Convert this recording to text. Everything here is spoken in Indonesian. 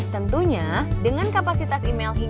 tentunya dengan kapasitas penyimpanan dokumen